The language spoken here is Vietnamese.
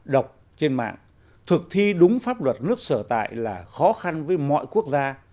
đọc trên mạng thực thi đúng pháp luật nước sở tại là khó khăn với mọi quốc gia